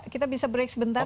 kita bisa break sebentar